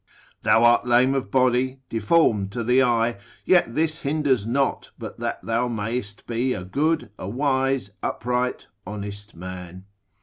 Thou art lame of body, deformed to the eye, yet this hinders not but that thou mayst be a good, a wise, upright, honest man.